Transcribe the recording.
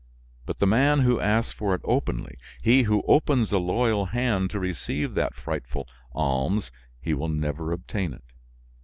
But the man who asks for it openly, he who opens a loyal hand to receive that frightful alms, he will never obtain it!